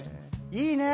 いいね！